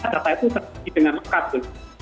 data itu terkait dengan kata